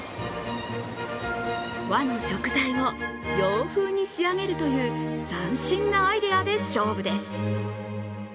和の食材を洋風に仕上げるという斬新なアイデアで勝負です。